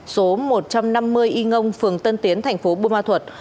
số một trăm năm mươi y ngông phường tân tiến tp bua ma thuật